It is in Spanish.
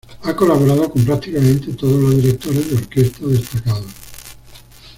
Ha colaborado con prácticamente todos los directores de orquesta destacados.